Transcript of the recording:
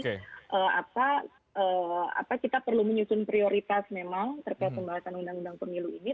jadi apa kita perlu menyusun prioritas memang terkait pembahasan undang undang pemilu ini